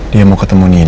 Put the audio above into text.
dia mau ketemu nino